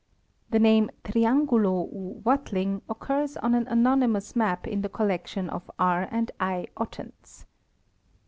The name " Triangulo ou Watling" occurs. on an anonymous map in the collection of R. and I. Ottens.